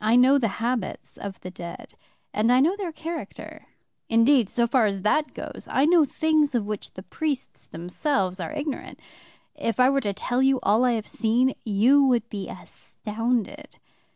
I know the habits of the dead, and I know their character. Indeed, so far as that goes, I know things of which the priests themselves are ignorant. If I were to tell you all I have seen, you would be astounded.